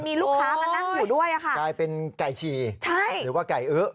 มีลูกค้ามานั่งอยู่ด้วยค่ะเสร็จเป็นกายฉี่หรือว่าไก่อื๊อ